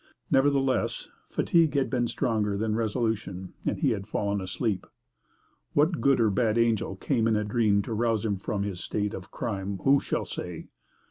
Nevertheless, fatigue had been stronger than resolution, and he had fallen asleep. What good or bad angel came in a dream to rouse him from his state of crime, who shall say?